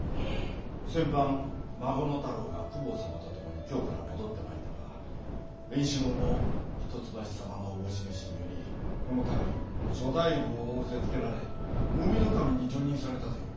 先般孫の太郎が公方様と共に京から戻ってまいったが円四郎も一橋様の思し召しによりこの度諸大夫を仰せつけられ近江守に叙任されたという。